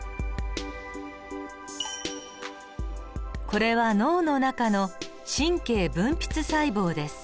これは脳の中の神経分泌細胞です。